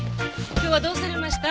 今日はどうされました？